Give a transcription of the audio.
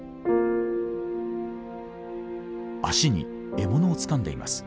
足に獲物をつかんでいます。